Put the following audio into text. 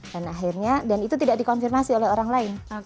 dan akhirnya dan itu tidak dikonfirmasi oleh orang lain